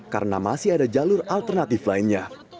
karena masih ada jalur alternatif lainnya